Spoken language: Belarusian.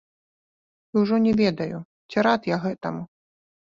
І ўжо не ведаю, ці рад я гэтаму.